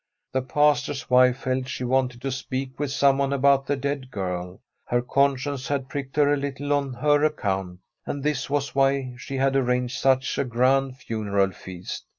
The Pastor's wife felt she wanted to speak with someone about the dead girl. Her conscience had pricked her a little on her account, and this was why she had arranged such a grand funeral feast.